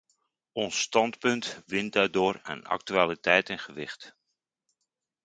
Ons standpunt wint daardoor aan actualiteit en gewicht.